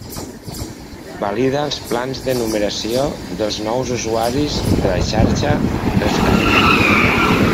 Valida els plans de numeració dels nous usuaris de la xarxa Rescat.